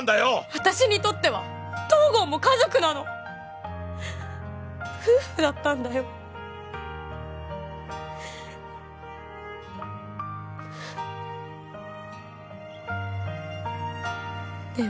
私にとっては東郷も家族なの夫婦だったんだよねえ